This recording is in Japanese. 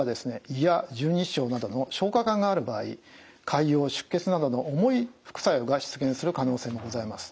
胃や十二指腸などの消化管がある場合潰瘍出血などの重い副作用が出現する可能性もございます。